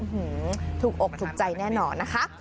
ถูกอกถูกใจแน่นอนนะคะ